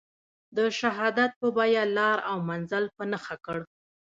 د شهادت په بیه لار او منزل په نښه کړ.